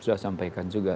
sudah sampaikan juga